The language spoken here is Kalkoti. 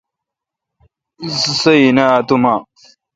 سو این اؘ اتوما۔